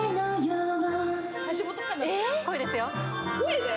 声ですよ